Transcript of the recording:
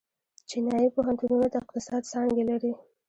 چینايي پوهنتونونه د اقتصاد څانګې لري.